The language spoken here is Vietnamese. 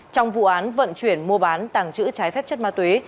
trong vụ án vận chuyển mua bán tàng trữ trái phép chất ma túy